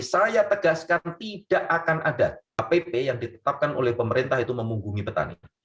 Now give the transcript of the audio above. saya tegaskan tidak akan ada apb yang ditetapkan oleh pemerintah itu memunggungi petani